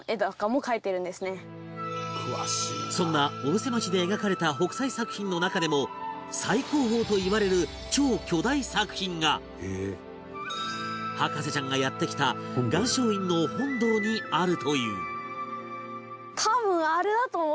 そんな小布施町で描かれた北斎作品の中でも最高峰といわれる超巨大作品が博士ちゃんがやって来た岩松院の本堂にあるという